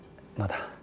まだ。